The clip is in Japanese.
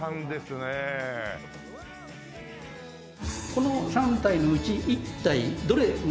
この３体のうち１体どれが。